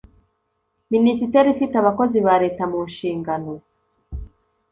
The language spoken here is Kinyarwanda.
minisiteri ifite abakozi ba leta mu nshingano